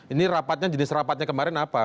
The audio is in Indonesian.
ini rapatnya jenis rapatnya kemarin apa